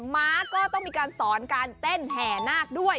ม้าก็ต้องมีการสอนการเต้นแห่นาคด้วย